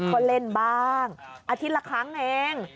ก็เล่นบ้างอาทิตย์ละครั้งเอง